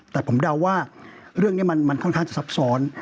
แต่ผมเดาว่าเรื่องนี้มันค่อนข้างจะซับซ้อน